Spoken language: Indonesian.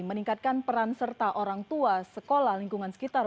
meningkatkan peran serta orang tua sekolah lingkungan sekitar